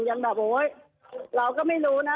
ยังแบบโอ๊ยเราก็ไม่รู้นะ